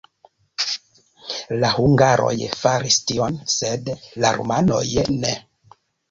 La hungaroj faris tion, sed la rumanoj ne.